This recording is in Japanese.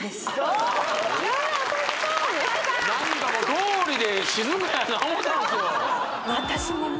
どうりで静かやな思ってたんですよ